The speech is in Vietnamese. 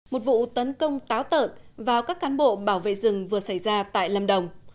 một vụ tấn công táo tợn vào các cán bộ bảo vệ rừng vừa xảy ra tại lâm đồng